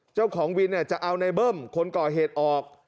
เจ้าของวินจะเอาในเบิ้มคนก่อเหตุออก